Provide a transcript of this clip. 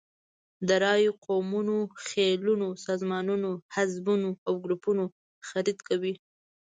د رایو، قومونو، خېلونو، سازمانونو، حزبونو او ګروپونو خرید کوي.